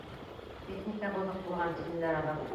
Техника боҙоҡ булған, тинеләр аҙаҡ.